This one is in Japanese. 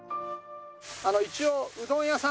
一応うどん屋さん。